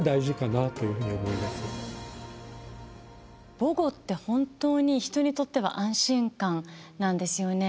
母語って本当に人にとっては安心感なんですよね。